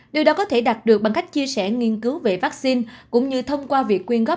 điều đó có thể đạt được bằng cách chia sẻ nghiên cứu về vaccine cũng như thông qua việc quyên góp